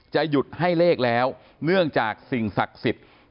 หยุดให้เลขแล้วเนื่องจากสิ่งศักดิ์สิทธิ์